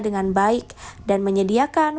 dengan baik dan menyediakan